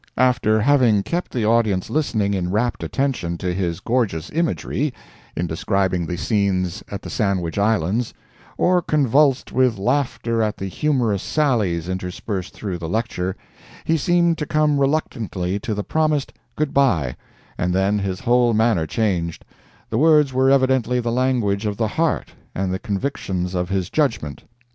After having kept the audience listening in rapt attention to his gorgeous imagery, in describing the scenes at the Sandwich Islands, or convulsed with laughter at the humorous sallies interspersed through the lecture, he seemed to come reluctantly to the promised "good bye," and then his whole manner changed—the words were evidently the language of the heart, and the convictions of his judgment.